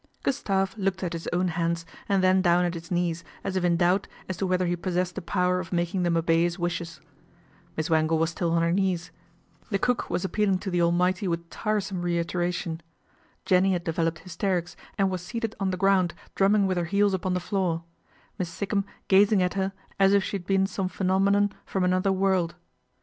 Gustave looked at his own hands, and then down at his knees as if in doubt as to whether he pos sessed the power of making them obey his wishes. Miss Wangle was still on her knees, the cook was 268 PATRICIA BRENT, SPINSTER appealing to the Almighty with tiresome reitera tion. Jenny had developed hysterics, and was seated on the ground drumming with her heels upon the floor, Miss Sikkum gazing at her as if she had been some phenomenon from another world.